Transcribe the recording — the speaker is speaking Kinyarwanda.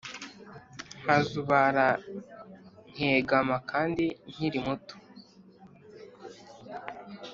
Nkazubara nkegama kandi nkiri muto